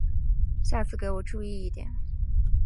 下次给我注意一点！